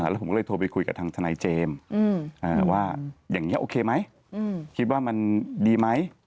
แล้วผมก็เลยโทรไปคุยกับทางทนายเจมส์ว่าอย่างนี้โอเคไหมคิดว่ามันดีไหม